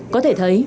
có thể thấy